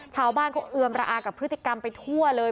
ชาวบ้านก็เอือมระอากับพฤติกรรมไปทั่วเลย